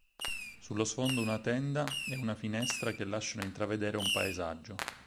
Sullo sfondo una tenda e una finestra che lasciano intravedere un paesaggio.